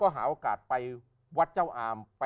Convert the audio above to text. หาโอกาสไปวัดเจ้าอาม